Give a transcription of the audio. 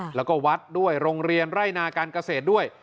แล้วก็วัดด้วยโรงเรียนไร่นาการเกษตรด้วย